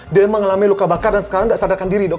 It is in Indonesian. dia emang ngalami luka bakar dan sekarang gak sadarkan diri dok